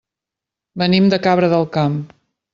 Venim de Cabra del Camp.